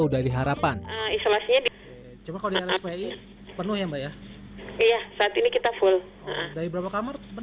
dari berapa kamar penuh mbak